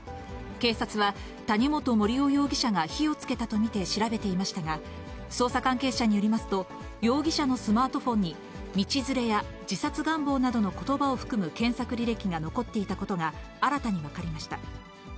警察は、谷本盛雄容疑者が火をつけたと見て調べていましたが、捜査関係者によりますと、容疑者のスマートフォンに、道連れや自殺願望などのことばを含む検索履歴が残っていたことが新たに分かりました。